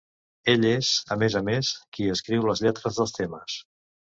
Ell és, a més a més, qui escriu les lletres dels temes.